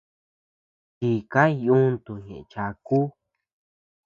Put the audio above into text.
Chika yuntu ñeʼe chaku.